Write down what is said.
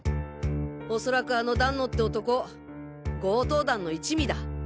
おそらくあの団野って男強盗団の一味だ。